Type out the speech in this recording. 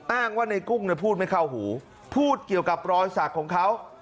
อ้างว่าในกุ้งพูดไม่เข้าหูพูดเกี่ยวกับรอยสักของเขา